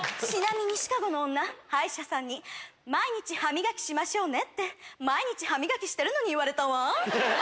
ちなみにシカゴの女歯医者さんに「毎日歯磨きしましょうね」って毎日歯磨きしてるのに言われたわ。